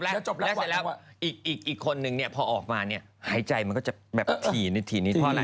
แล้วเสร็จแล้วอีกคนหนึ่งเนี่ยพอออกมาเนี่ยหายใจมันก็จะแบบถี่นิดเท่านั้น